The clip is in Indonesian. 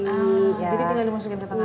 jadi tinggal dimasukin ke tengah tengah